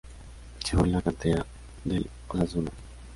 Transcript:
Se formó en la cantera del Osasuna.